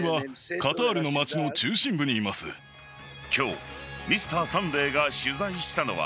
今日「Ｍｒ．サンデー」が取材したのは